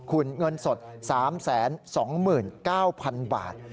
คุณเงินสด๓๒๙๐๐๐บาท